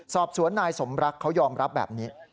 สอบสวนนายสมรักเขายอมรับแบบนี้